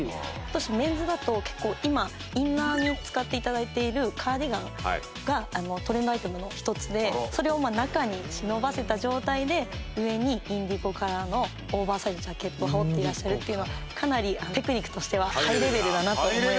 今年メンズだと結構今インナーに使って頂いているカーディガンがトレンドアイテムの一つでそれを中に忍ばせた状態で上にインディゴカラーのオーバーサイズのジャケットを羽織っていらっしゃるっていうのはかなりテクニックとしてはハイレベルだなと思います。